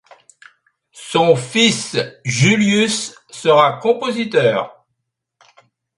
Son fils Julius sera compositeur.